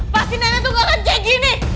pasti nenek tuh gak kece gini